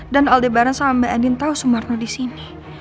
dan aldebaran sama mbak endin tau sumarno disini